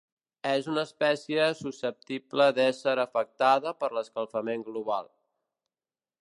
És una espècie susceptible d'ésser afectada per l'escalfament global.